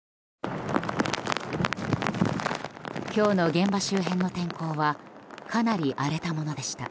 今日の現場周辺の天候はかなり荒れたものでした。